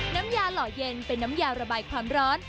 น้ำยาหล่อเย็นเป็นน้ำยาระบายความร้อน